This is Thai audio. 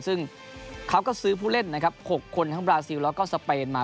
ซึ่งเขาก็ซื้อผู้เล่นนะครับ๖คนทั้งบราซิลแล้วก็สเปนมา